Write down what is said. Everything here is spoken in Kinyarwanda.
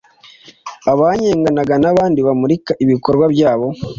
abanyengana n’abandi bamurika ibikorwa byabo